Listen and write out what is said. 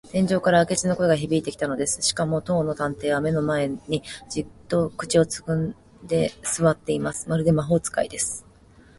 天井から明智の声がひびいてきたのです。しかも、当の探偵は目の前に、じっと口をつぐんですわっています。まるで魔法使いです。